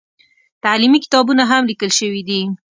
تعلیمي کتابونه هم لیکل شوي دي.